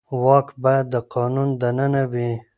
واک باید د قانون دننه وي